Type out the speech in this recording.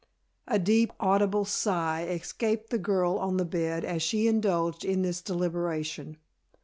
A deep, audible sigh escaped the girl on the bed as she indulged in this deliberation.